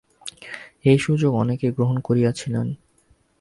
এই সুযোগ অনেকেই গ্রহণ করিয়াছিলেন।